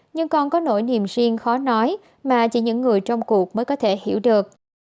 nhưng con có nỗi niềm riêng khó nói mà chỉ những người trong cuộc mới có thể hiểu được